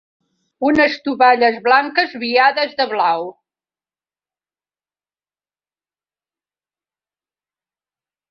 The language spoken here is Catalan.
Unes tovalles blanques viades de blau.